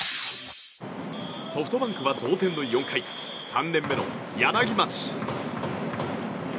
ソフトバンクは同点の４回３年目の柳町。